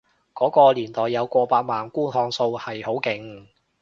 嗰個年代有過百萬觀看數係好勁